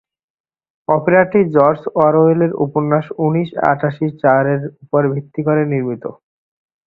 অপেরাটি George অরওয়েলের উপন্যাস উনিশ আটাশি-চারের উপর ভিত্তি করে নির্মিত।